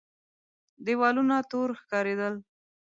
دېوالونه تور ښکارېدل.